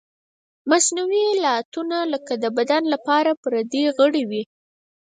مصنوعي لغتونه لکه د بدن لپاره پردی غړی وي.